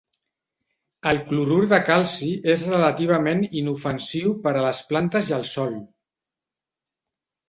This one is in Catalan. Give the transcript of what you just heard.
El clorur de calci és relativament inofensiu per a les plantes i el sòl.